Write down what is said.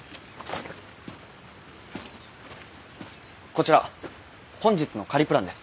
こちら本日の仮プランです。